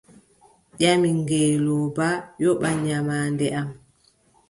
Ƴami ngeelooba: yoɓan nyamaande am.